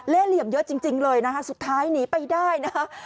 เหลี่ยมเยอะจริงเลยนะคะสุดท้ายหนีไปได้นะคะ